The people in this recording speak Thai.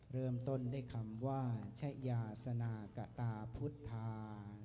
เริ่มต้นด้วยคำว่าชะยาสนากะตาพุทธา